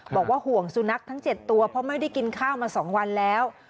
บอกว่าห่วงสุนัขทั้ง๗ตัวเพราะไม่ได้กินข้าวมา๒วันแล้ว